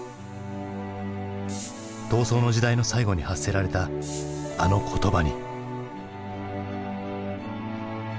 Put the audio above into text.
闘争の時代の最後に発せられたあの言葉に。